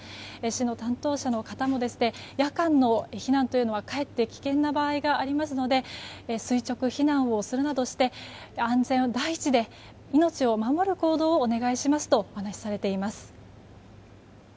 市の担当者の方も夜間の避難というのはかえって危険な場合がありますので垂直避難をするなどして安全第一で命を守る行動をお願いしますとお話しされています。